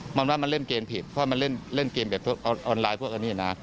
มันว่ามันเล่นเกมผิดเพราะมันเล่นเกมแบบพวกออนไลน์พวกอันนี้นะ